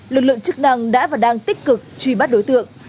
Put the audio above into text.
lực lượng chức năng đã và đang tích cực truy bắt đối tượng